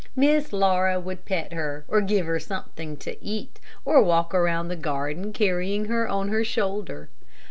Miss Laura would pet her, or give her something to eat, or walk around the garden carrying her on her shoulder.